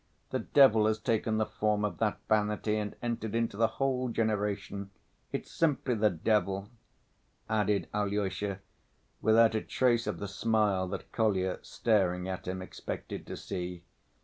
The devil has taken the form of that vanity and entered into the whole generation; it's simply the devil," added Alyosha, without a trace of the smile that Kolya, staring at him, expected to see.